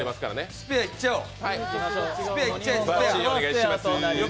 スペアいっちゃおう！